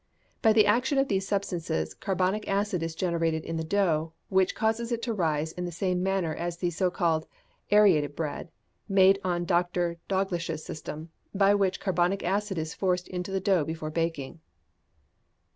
By the action of these substances, carbonic acid is generated in the dough, which causes it to rise in the same manner as the so called "aerated bread" made on Dr. Dauglish's system, by which carbonic acid is forced into the dough before baking.